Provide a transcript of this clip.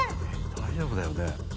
大丈夫だよね？